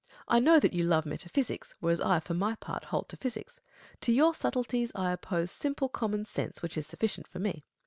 I know that you love metaphysics, whereas I for my part hold to physics. To your subtleties, I oppose simple common sense, which is sufficient for me.